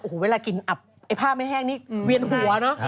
โอ้โหเวลากินอับไอ้ผ้าไม่แห้งนี่เวียนหัวเนอะ